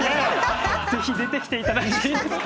是非出てきていただいていいですか？